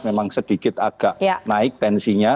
memang sedikit agak naik tensinya